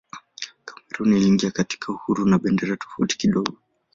Kamerun iliingia katika uhuru na bendera tofauti kidogo.